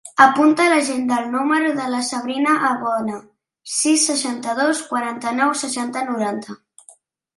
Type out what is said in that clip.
Apunta a l'agenda el número de la Sabrina Arbona: sis, seixanta-dos, quaranta-nou, seixanta, noranta.